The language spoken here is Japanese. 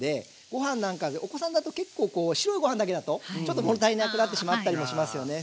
ご飯なんかお子さんだと結構こう白いご飯だけだとちょっと物足りなくなってしまったりもしますよね。